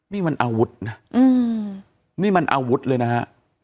นี่มันอาวุธนะนี่มันอาวุธเลยนะฮะ